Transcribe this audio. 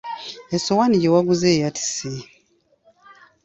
Essowaani gye waguze eyatise.